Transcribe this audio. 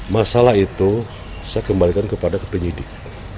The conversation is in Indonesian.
masalah itu saya kembalikan kepada ke penyidik